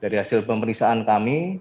dari hasil pemeriksaan kami